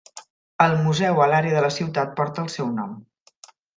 El museu a l'àrea de la ciutat porta el seu nom.